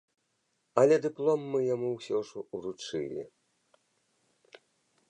Але дыплом мы яму ўсё ж уручылі.